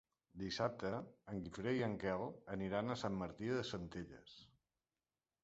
Dissabte en Guifré i en Quel aniran a Sant Martí de Centelles.